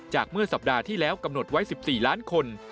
เมื่อสัปดาห์ที่แล้วกำหนดไว้๑๔ล้านคน